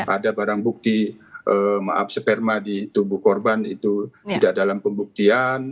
ada barang bukti maaf sperma di tubuh korban itu tidak dalam pembuktian